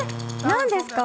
何ですか？